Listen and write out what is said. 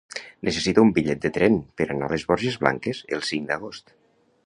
Necessito un bitllet de tren per anar a les Borges Blanques el cinc d'agost.